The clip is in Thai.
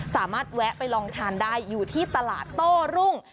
แวะไปลองทานได้อยู่ที่ตลาดโต้รุ่ง